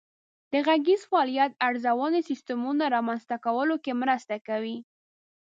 د غږیز فعالیت ارزونې سیسټمونه رامنځته کولو کې مرسته کوي.